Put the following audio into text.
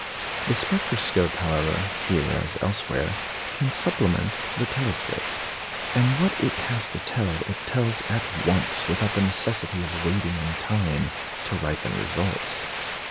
The spectroscope, however, here as elsewhere, can supplement the telescope; and what it has to tell, it tells at once, without the necessity of waiting on time to ripen results.